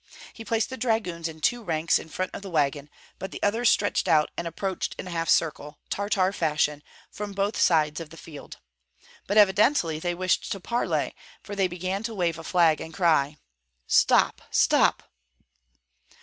He placed the dragoons in two ranks in front of the wagon; but the others stretched out and approached in a half circle, Tartar fashion, from both sides of the field. But evidently they wished to parley, for they began to wave a flag and cry, "Stop! stop!"